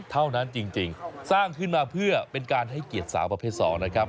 เท่านั้นจริงสร้างขึ้นมาเพื่อเป็นการให้เกียรติสาวประเภท๒นะครับ